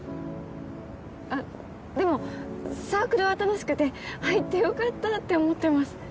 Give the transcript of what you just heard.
あっでもサークルは楽しくて入ってよかったって思ってます。